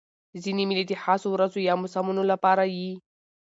ځیني مېلې د خاصو ورځو یا موسمونو له پاره يي.